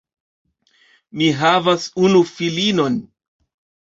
Mi havas unu filinon.